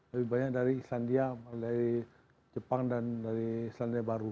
lebih banyak dari islandia dari jepang dan dari selandia baru